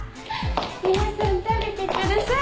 皆さん食べてください。